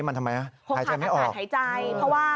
มันทำไมฮะหายใจไม่ออกเพราะว่า